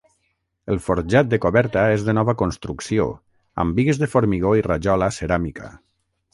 El forjat de coberta és de nova construcció, amb bigues de formigó i rajola ceràmica.